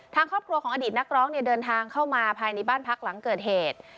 ทางครอบครัวของอดีตนักร้องเนี่ยเดินทางเข้ามาภายในบ้านพักหลังเกิดเหตุ